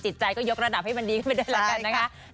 จิตใจก็ยกระดับให้มันดีขึ้นไปได้แล้วกันนะคะ